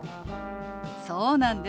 そうなんです。